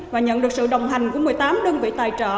và nhận được sự đồng hành của một mươi tám đơn vị tài trợ